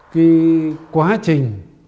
cái quá trình